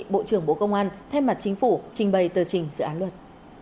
bộ trưởng bộ công an thay mặt chính phủ trình bày tờ trình dự án luật